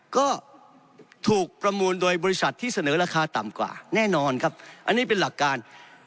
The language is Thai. ก็ถูกประมูลโดยบริษัทที่เสนอราคาต่ำกว่าแน่นอนครับอันนี้เป็นหลักการ